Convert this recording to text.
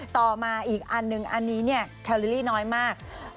ต่อมาอีกอันนึงอันนี้เนี่ยแคลลิลี่น้อยมาก